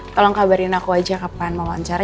tolong kabarin aku aja kapan mau lancar